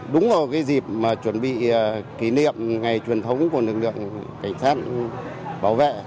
đúng vào cái dịp chuẩn bị kỷ niệm ngày truyền thống của lực lượng cảnh sát bảo vệ